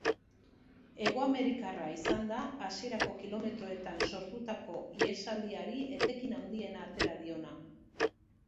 Hegoamerikarra izan da hasierako kilometroetan sortutako ihesaldiari etekin handiena atera diona.